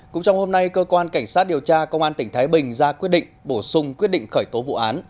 cũng trong hôm nay cơ quan cảnh sát điều tra công an tỉnh thái bình ra quyết định bổ sung quyết định khởi tố vụ án